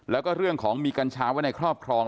แล้วก็เรื่องของมีกัญชาไว้ในครอบครอง